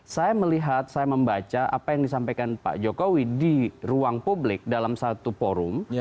saya melihat saya membaca apa yang disampaikan pak jokowi di ruang publik dalam satu forum